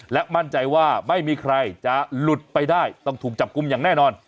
และมั่นใจว่าไม่มีใครจะหลุดไปได้ต้องถูกจับกลุ่มอย่างแน่นอน